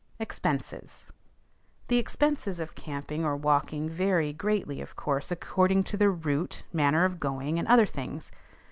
EXPENSES. The expenses of camping or walking vary greatly, of course, according to the route, manner of going, and other things.